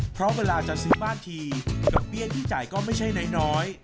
เพราะเวลาจะซื้อบ้านทีดอกเบี้ยที่จ่ายก็ไม่ใช่น้อย